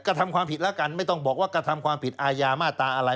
กระทำความผิดแล้วกันไม่ต้องบอกว่ากระทำความผิดอาญามาตราอะไร